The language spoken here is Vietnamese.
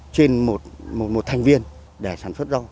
trên một thành viên để sản xuất rau